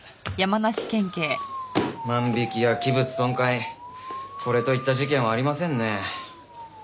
万引きや器物損壊これといった事件はありませんね。